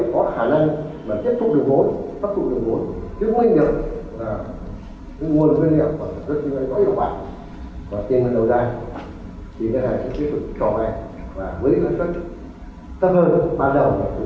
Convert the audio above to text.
và với nguyên lợi xuất tâm hợp bắt đầu và cũng không thể nào tiến hồi